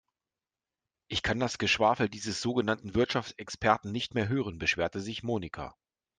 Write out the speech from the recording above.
Ich kann das Geschwafel dieses sogenannten Wirtschaftsexperten nicht mehr hören, beschwerte sich Monika.